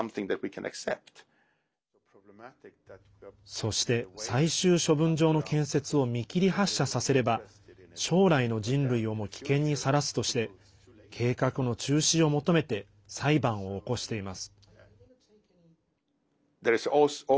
そして、最終処分場の建設を見切り発車させれば将来の人類をも危険にさらすとして計画の中止を求めて裁判を起こしています。